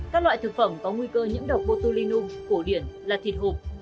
các loại thực phẩm có nguy cơ nhiễm độc botulinum cổ điển là thịt hộp